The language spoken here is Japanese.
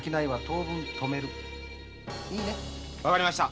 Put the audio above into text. わかりました。